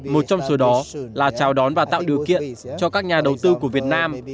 một trong số đó là chào đón và tạo điều kiện cho các nhà đầu tư của việt nam